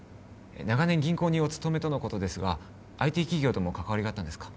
長年銀行にお勤めとのことですがＩＴ企業とも関わりがあったんですか？